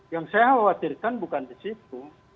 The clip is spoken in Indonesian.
yang saya khawatirkan bukan disitu